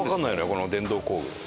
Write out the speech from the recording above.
この電動工具。